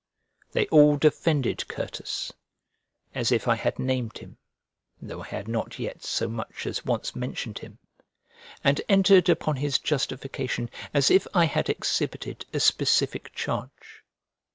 They all defended Certus, as if I had named him (though I had not yet so much as once mentioned him), and entered upon his justification as if I had exhibited a specific charge.